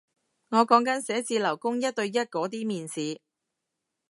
我講緊寫字樓工一對一嗰啲面試